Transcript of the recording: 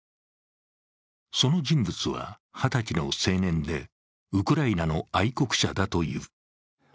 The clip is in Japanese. その人物は二十歳の青年でウクライナの愛国者だという。